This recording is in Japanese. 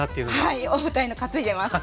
はい重たいの担いでます。